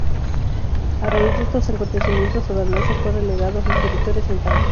A raíz de estos acontecimientos, Adarnase fue relegado a sus territorios en Tao.